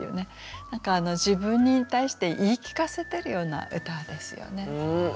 何か自分に対して言い聞かせてるような歌ですよね。